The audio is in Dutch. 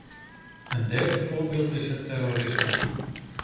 Een derde voorbeeld is het terrorisme.